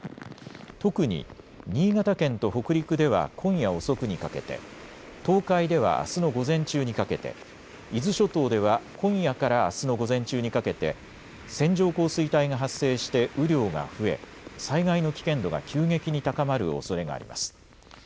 特に新潟県と北陸では今夜遅くにかけて、東海ではあすの午前中にかけて、伊豆諸島では今夜からあすの午前中にかけて線状降水帯が発生して雨量が増え災害の危険度が急激に高まるおそれがあります。